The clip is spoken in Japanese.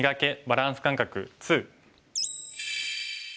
バランス感覚２」。